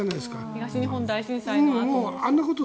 東日本大震災のあと。